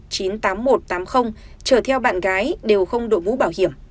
chờ theo bạn gái đều không đội vũ bảo hiểm